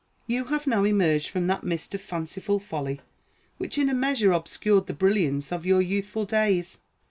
You have now emerged from that mist of fanciful folly which in a measure obscured the brilliance of your youthful days.